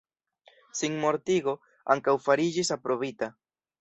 Sinmortigo ankaŭ fariĝis aprobita.